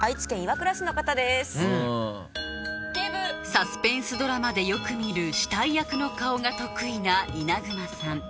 サスペンスドラマでよく見る死体役の顔が得意な稲熊さん